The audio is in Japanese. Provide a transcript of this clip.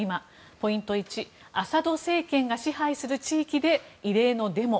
ポイント１、アサド政権が支配する地域で異例のデモ。